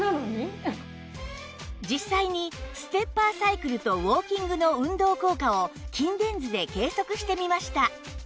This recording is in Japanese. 実際にステッパーサイクルとウォーキングの運動効果を筋電図で計測してみました